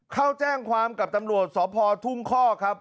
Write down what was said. เข้าแจ้งความกับตำรวจสพทุ่งคอกครับ